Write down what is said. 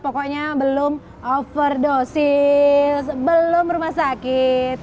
pokoknya belum overdosis belum rumah sakit